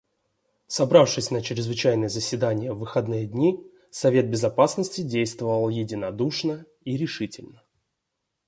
Собравшись на чрезвычайное заседание в выходные дни, Совет Безопасности действовал единодушно и решительно.